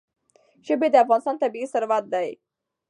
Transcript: ژبې د افغانستان طبعي ثروت دی.